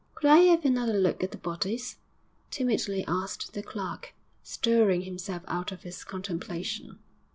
'Could I 'ave another look at the bodies?' timidly asked the clerk, stirring himself out of his contemplation.